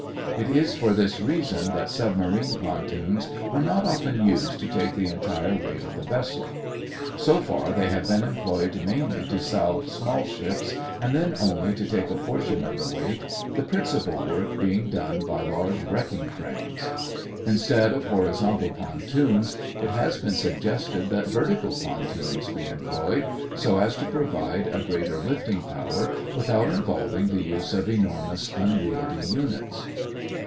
It is for this reason that submarine pontoons are not often used to take the entire weight of the vessel. So far they have been employed mainly to salve small ships and then only to take a portion of the weight, the principal work being done by large wrecking cranes. Instead of horizontal pontoons it has been suggested that vertical pontoons be employed, so as to provide a greater lifting power without involving the use of enormous unwieldy units.